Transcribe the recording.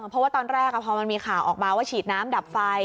เพราะว่าตอนแรกพอมันมีข่าวออกมาว่าฉีดน้ำดับไฟ